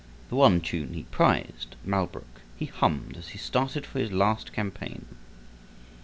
The one tune he prized, Malbrook, he hummed as he started for his last campaign.